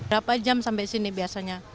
berapa jam sampai sini biasanya